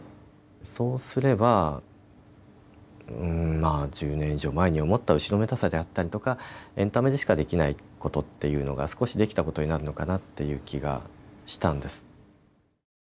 そうすれば、１０年以上前に思った後ろめたさであったりとかエンタメでしかできないことというのが少しできたことになるのかなっていう気がしたんです。